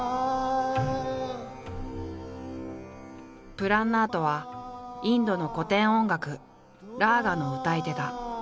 プラン・ナートはインドの古典音楽ラーガの歌い手だ。